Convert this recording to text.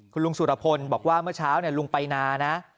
คุณลุงสุรพลบอกว่าเมื่อเช้าลุงไปนานะ